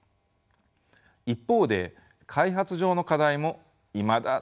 一方で開発上の課題もいまだ多数あります。